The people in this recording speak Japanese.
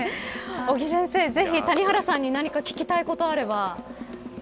尾木先生、ぜひ谷原さんに聞きたいことがあれば。